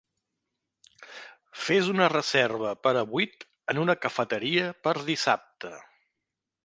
Fes una reserva per a vuit en una cafeteria per dissabte